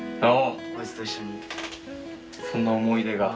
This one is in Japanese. そんな思い出が。